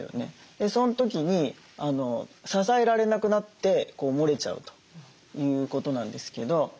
その時に支えられなくなってもれちゃうということなんですけど。